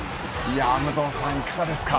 武藤さん、いかがですか？